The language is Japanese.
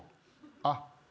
あっ。